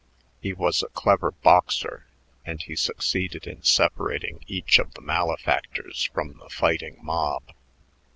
He was a clever boxer, and he succeeded in separating each of the malefactors from the fighting mob.